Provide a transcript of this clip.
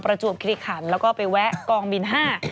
จวบคิริขันแล้วก็ไปแวะกองบินห้า